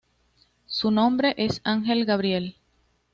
Su nombre es Ángel Gabriel.